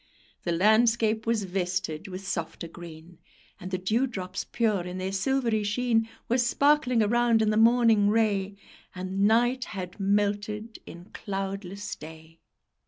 The landscape was vested with softer green, And the dewdrops pure in their silvery sheen Were sparkling around in the morning ray, And night had melted in cloudless day.